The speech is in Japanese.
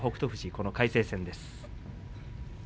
この魁聖戦です。